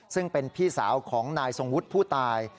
ซึ่งเป็นพี่สาวของนายทรงวุฒิผู้ตาย